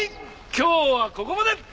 今日はここまで。